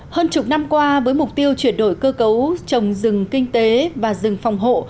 hơn chục năm qua với mục tiêu chuyển đổi cơ cấu trồng rừng kinh tế và rừng phòng hộ